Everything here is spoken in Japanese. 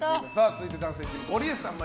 続いて男性チーム、ゴリエさん。